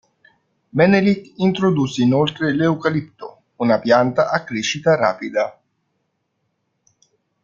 Menelik introdusse inoltre l'eucalipto, una pianta a crescita rapida.